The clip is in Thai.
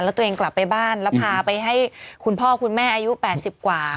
แล้วตัวเองกลับไปบ้านแล้วพาไปให้คุณพ่อคุณแม่อายุ๘๐กว่า